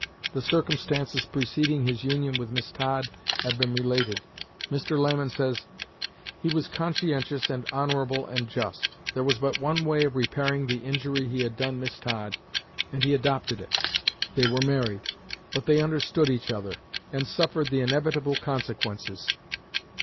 The circumstances preceding his union with Miss Todd have been related. Mr. Lamon says: "He was conscientious and honorable and just. There was but one way of repairing the injury he had done Miss Todd, and he adopted it. They were married; but they understood each other, and suffered the inevitable consequences.